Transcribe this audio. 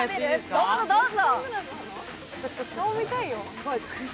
どうぞどうぞ。